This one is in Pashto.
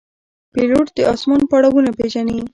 پیلوټ د آسمان پړاوونه پېژني.